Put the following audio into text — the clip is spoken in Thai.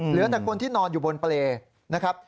เหลือแต่คนที่นอนอยู่บนเปรย์นะครับ